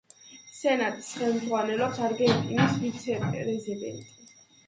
სენატს ხელმძღვანელობს არგენტინის ვიცე-პრეზიდენტი.